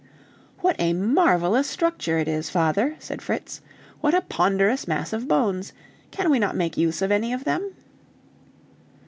"What a marvelous structure it is, father!" said Fritz. "What a ponderous mass of bones! Can we not make use of any of them?"